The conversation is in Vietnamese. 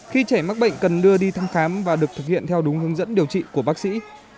khi trẻ mắc bệnh cần đưa đi thăm khám và được thực hiện theo đúng hướng dẫn điều trị của bác sĩ